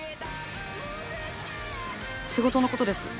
仕事のことです